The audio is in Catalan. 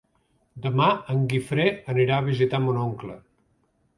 Demà en Guifré anirà a visitar mon oncle.